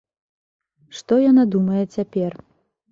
Што яна думае цяпер?